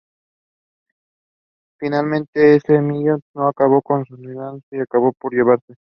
Finalmente ese maillot no acabó consolidándose y acabó por no llevarse.